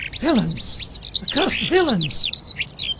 Villains! Accursed villains!"